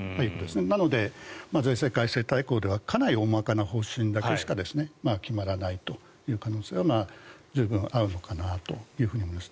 なので税制改正大綱ではかなり大まかな方針しか決まらないという可能性は十分あるのかなと思います。